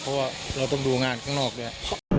เพราะว่าเราต้องดูงานข้างนอกด้วย